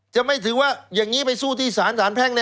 จะไม่ถือว่าอย่างนี้ไปสู้ที่สารสารแพ่ง